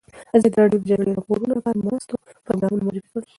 ازادي راډیو د د جګړې راپورونه لپاره د مرستو پروګرامونه معرفي کړي.